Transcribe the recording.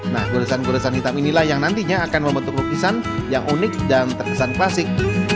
nah goresan goresan hitam inilah yang nantinya akan membentuk lukisan yang unik dan terkesan klasik